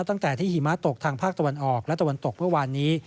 ตั้งแต่ที่หิมะตกทางภาคตะวันออกและตะวันตกเมื่อวานนี้